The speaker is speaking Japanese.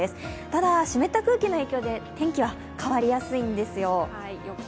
ただ湿った空気の影響で、天気は変わりやすいんですよ。